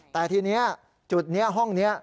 แต่ทีนี้จุดนี้ห้องนี้